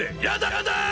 やだ！